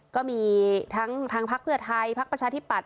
ก็มีทั้งทางภาคเผือไทยภาคประชาธิปัตย์